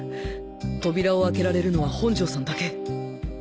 扉を開けられるのは本城さんだけ